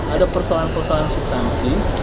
ada persoalan persoalan substansi